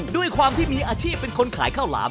ด้วยความที่มีอาชีพเป็นคนขายข้าวหลาม